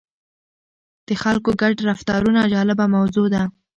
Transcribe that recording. د خلکو ګډ رفتارونه جالبه موضوع ده.